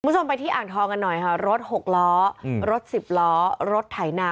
มุชนไปที่อ่านทองน่ะหน่อยฮะรถหกล้อรถสิบล้อรถไถหน้า